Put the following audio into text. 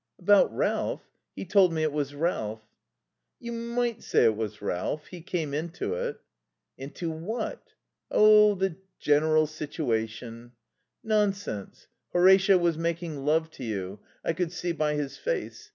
"About Ralph? He told me it was Ralph." "You might say it was Ralph. He came into it." "Into what?" "Oh, the general situation." "Nonsense. Horatio was making love to you. I could see by his face....